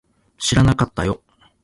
知らなかったよ